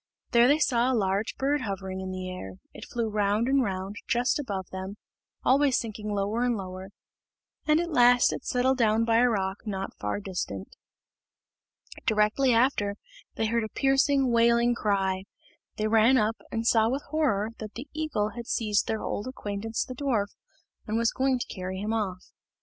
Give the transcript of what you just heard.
There they saw a large bird hovering in the air; it flew round and round just above them, always sinking lower and lower, and at last it settled down by a rock not far distant. Directly after, they heard a piercing, wailing cry. They ran up, and saw with horror that the eagle had seized their old acquaintance the dwarf, and was going to carry him off.